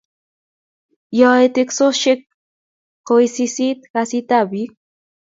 Yaoe teksoshiek ko wisisit kasit ab bik